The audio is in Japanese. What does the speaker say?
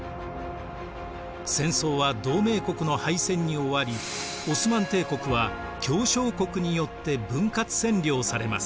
戦争は同盟国の敗戦に終わりオスマン帝国は協商国によって分割占領されます。